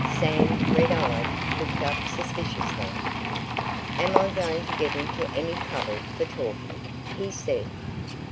Sam, red eyed, looked up suspiciously. "Am I going to get into any trouble for talking?" he said.